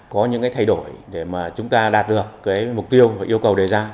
có những cái thay đổi để mà chúng ta đạt được cái mục tiêu và yêu cầu đề ra